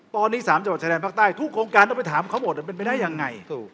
ตอนนี้๓จังหวัดชายแดนภาคใต้ทุกโครงการต้องไปถามเขาหมดเป็นไปได้ยังไง